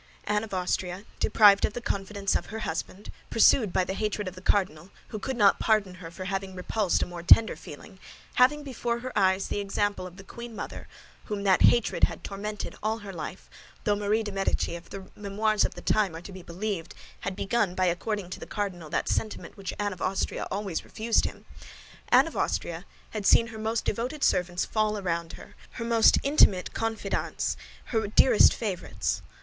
Anne of Austria, deprived of the confidence of her husband, pursued by the hatred of the cardinal, who could not pardon her for having repulsed a more tender feeling, having before her eyes the example of the queen mother whom that hatred had tormented all her life—though Marie de Médicis, if the memoirs of the time are to be believed, had begun by according to the cardinal that sentiment which Anne of Austria always refused him—Anne of Austria had seen her most devoted servants fall around her, her most intimate confidants, her dearest favorites.